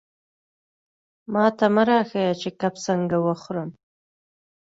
ماته مه را ښیه چې کب څنګه وخورم.